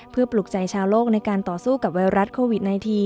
เพื่อปลุกใจชาวโลกในการต่อสู้กับไวรัสโควิด๑๙